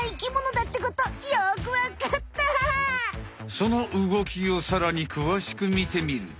その動きをさらにくわしくみてみると。